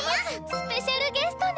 スペシャルゲストね。